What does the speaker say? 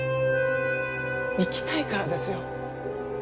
生きたいからですよ。